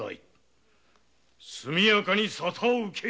速やかに沙汰を受けい！